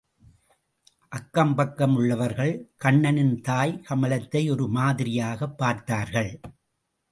அக்கம் பக்கம் உள்ளவர்கள் கண்ணனின் தாய் கமலத்தை ஒரு மாதிரியாகப் பார்த்தார்கள்.